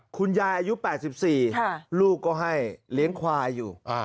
คุณยายอายุ๘๔ลูกก็ให้เลี้ยงควายอยู่